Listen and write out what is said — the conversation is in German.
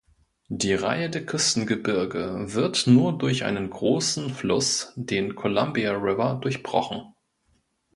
Die Reihe der Küstengebirge wird nur durch einen großen Fluss, den Columbia River, durchbrochen.